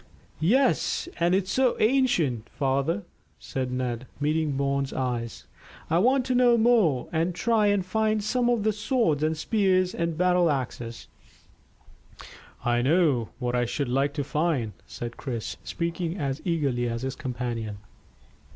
"Yes, and it's so ancient, father," said Ned, meeting Bourne's eyes. "I want to know more, and to try and find some of the swords and spears and battle axes." "I know what I should like to find," said Chris, speaking as eagerly as his companion.